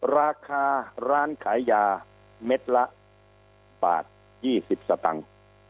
ราคาร้านขายยาเม็ดละบาท๒๐สตังค์